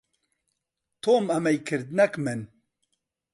تۆم ئەمەی کرد، نەک من.